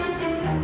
ya allah gimana ini